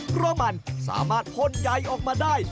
เพราะมันสามารถพ่นใยออกมาได้